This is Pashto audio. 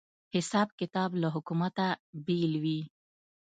حساب کتاب له حکومته بېل وي